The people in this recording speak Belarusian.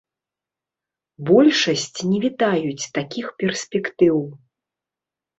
Большасць не вітаюць такіх перспектыў.